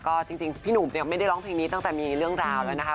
ก็จริงพี่หนุ่มเนี่ยไม่ได้ร้องเพลงนี้ตั้งแต่มีเรื่องราวแล้วนะคะ